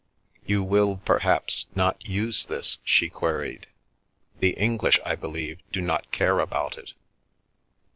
"You will, perhaps, not use this?" she queried. " The English, I believe, do not care about it."